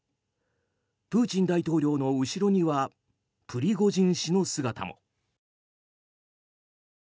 プーチン大統領の後ろにはプリゴジン氏の姿も。